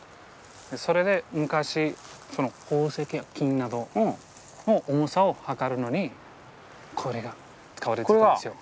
それで昔宝石や金などの重さを量るのにこれが使われてたんですよ。